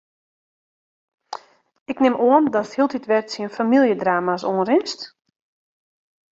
Ik nim oan datst hieltyd wer tsjin famyljedrama's oanrinst?